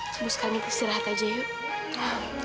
terus kalian istirahat aja yuk